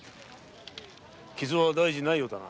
傷は大事ないようだな。